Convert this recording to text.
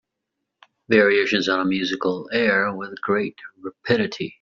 Variations on a musical air With great rapidity.